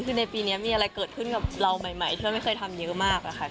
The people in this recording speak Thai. คือในปีนี้มีอะไรเกิดขึ้นกับเราใหม่ที่เราไม่เคยทำเยอะมากค่ะ